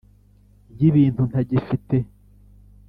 y'ibintu ntagifite ...